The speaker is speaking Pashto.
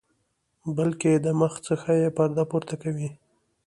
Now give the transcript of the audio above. بلکې د مخ څخه یې پرده پورته کوي.